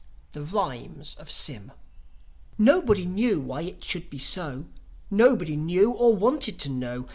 IX. THE RHYMES OF SYM Nobody knew why it should be so; Nobody knew or wanted to know.